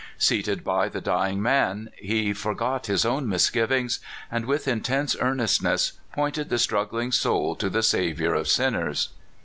Seated by the dying man, he forgot his own misgivings, and with intense earnestness pointed the struggling soul to the Sav iour of sinners.